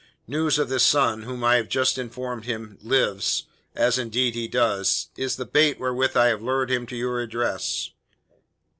News of this son, whom I have just informed him lives as indeed he does is the bait wherewith I have lured him to your address.